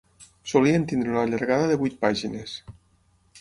Solien tindre una llargada de vuit pàgines.